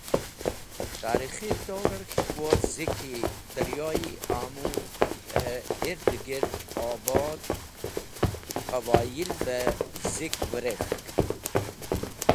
Torikhi torer K`hikwor Ziki Daryoyi Amu he Irdgird Obod Qabayilve Zik Wirek̃hk.